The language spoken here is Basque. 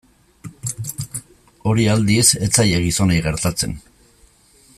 Hori, aldiz, ez zaie gizonei gertatzen.